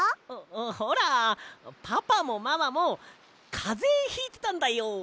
ほほらパパもママもかぜひいてたんだよ。